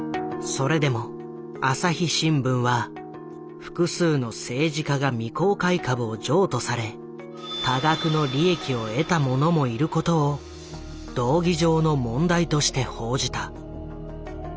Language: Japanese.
それでも朝日新聞は複数の政治家が未公開株を譲渡され多額の利益を得た者もいることを道義上の問題として報じた。